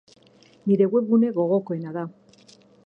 Nire webgune gogokoena da.